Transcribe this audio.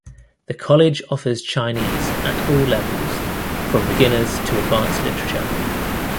The College offers Chinese at all levels, from beginners to advanced literature.